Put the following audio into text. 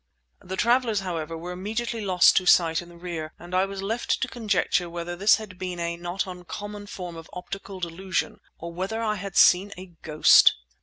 The travellers, however, were immediately lost to sight in the rear, and I was left to conjecture whether this had been a not uncommon form of optical delusion or whether I had seen a ghost.